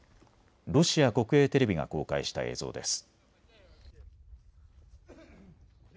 ロシア国営テレビが公開した映像です。